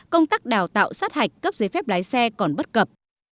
công tác đào tạo sát hạch cấp giấy phép lái xe còn bất cập